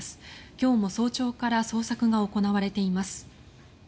今日も早朝から捜索が行われています。